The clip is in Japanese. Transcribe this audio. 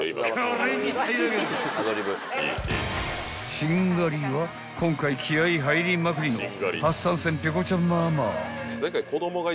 ［しんがりは今回気合入りまくりの初参戦ペコちゃんママ］